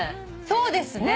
そうですね。